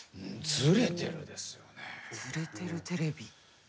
「ズレてるテレビ」。